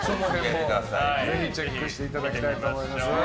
ぜひチェックしていただきたいと思います。